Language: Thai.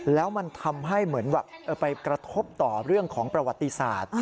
แล้วมันทำให้เหมือนแบบไปกระทบต่อเรื่องของประวัติศาสตร์